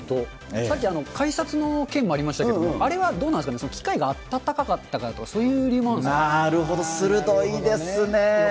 さっき、改札の件もありましたけど、あれはどうなんですかね、機械があたたかかったからとか、そういう理由もあるんですか。